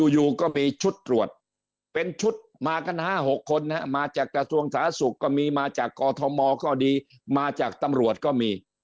อยู่ก็มีชุดตรวจเป็นชุดมากัน๕๖คนมาจากกระทรวงสาธารณสุขก็มีมาจากกอทมก็ดีมาจากตำรวจก็มี